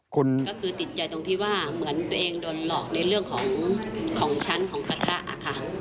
คนก็คือติดใจตรงที่ว่าเหมือนตัวเองโดนหลอกในเรื่องของของชั้นของกระทะค่ะ